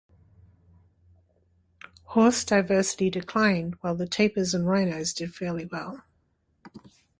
Horse diversity declined, while tapirs and rhinos did fairly well.